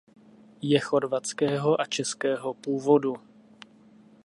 Je chorvatského a českého původu.